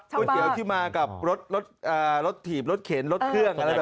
ก๋วยเตี๋ยวที่มากับรสถีบรสเข็นรสเครื่องอะไรแบบนี้